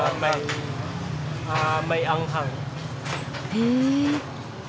へえ。